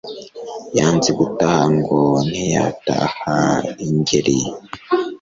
yanze gutaha ngo ntiyataha i ngeli